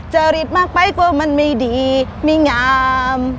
จริตมากไปกว่ามันไม่ดีไม่งาม